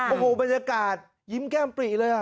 โอ้โหบรรยากาศยิ้มแก้มปรีเลย